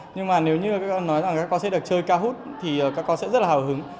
nhưng mà nếu như các con nói rằng các con sẽ được chơi cao hút thì các con sẽ rất là hào hứng